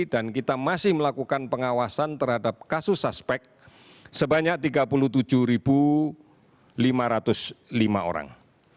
dan kita masih melakukan pengawasan terhadap kasus suspek sebanyak tiga puluh tujuh lima ratus lima orang